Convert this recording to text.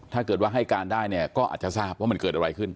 ถ้าเกิดว่าให้การได้เนี่ยก็อาจจะทราบว่ามันเกิดอะไรขึ้น